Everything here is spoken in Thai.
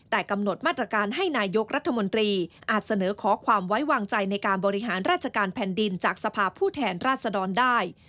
แต่กำหนดมาตรการให้นายกรัฐมนตรีอาจเสนอขอความไว้วางใจในการบริหารราชการแผ่นดินจากสภาพผู้แทนราชดรได้